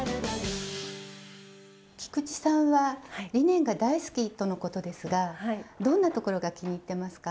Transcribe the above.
菊池さんはリネンが大好きとのことですがどんなところが気に入ってますか？